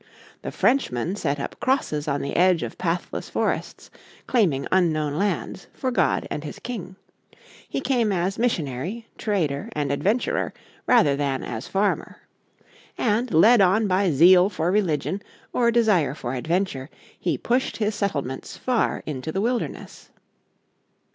The Frenchman set up crosses on the edge of pathless forests, claiming unknown lands for God and his King. He came as missionary, trader and adventurer rather than as farmer. And, led on by zeal for religion or desire for adventure, he pushed his settlements far into the wilderness.